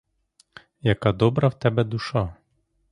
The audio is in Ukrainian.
Яка добра в тебе душа!